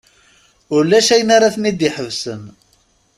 Ulac ayen ara ten-id-iḥebsen.